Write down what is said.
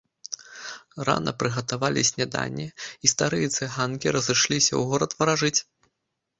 Рана прыгатавалі снеданне, і старыя цыганкі разышліся ў горад варажыць.